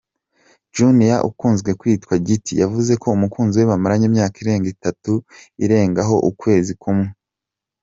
Junior ukunzwe kwiwa ‘Giti’ yavuze ko umukunzi we bamaranye imyaka itatu irengaho ukwezi kumwe.